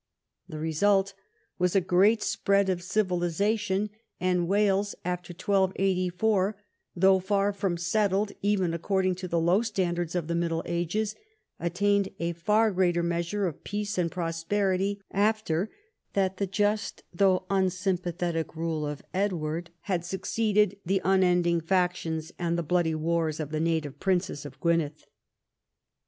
The result was a great spread of civilisation, and Wales after 1284, though far from settled even according to the low standards of the Middle Ages, attained a far greater measure of peace and prosperity after that the just though unsympathetic rule of Edward had suc ceeded the unending factions and the bloody wars of the native princes of Gwynedd.